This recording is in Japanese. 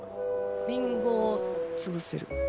りんごを潰せる。